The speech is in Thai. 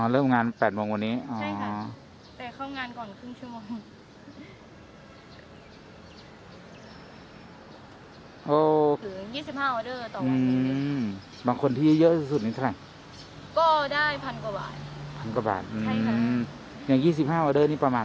เริ่มงาน๘โมงวันนี้ใช่ค่ะแต่เข้างานก่อนครึ่งชั่วโมง